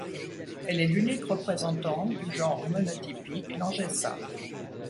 Elle est l'unique représentante du genre monotypique Langessa.